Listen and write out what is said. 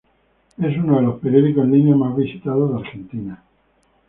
Es uno de los periódicos en línea más visitados de Argentina.